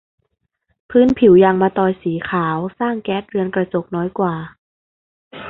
พื้นผิวยางมะตอยสีขาวสร้างแก๊สเรือนกระจกน้อยกว่า